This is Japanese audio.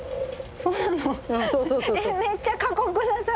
そうなの？